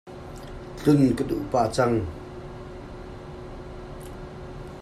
Tlung ka duh pah cang.